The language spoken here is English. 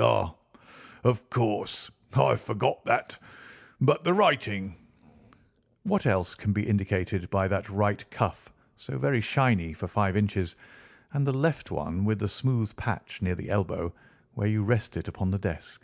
"Ah, of course, I forgot that. But the writing?" "What else can be indicated by that right cuff so very shiny for five inches, and the left one with the smooth patch near the elbow where you rest it upon the desk?"